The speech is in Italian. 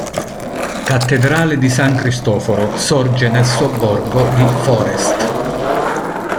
Cattedrale di San Cristoforo sorge nel sobborgo di Forrest.